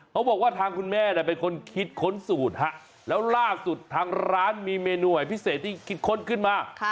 บอกว่าทางคุณแม่เป็นคนคิดค้นสูตรฮะแล้วล่าสุดทางร้านมีเมนูใหม่พิเศษที่คิดค้นขึ้นมา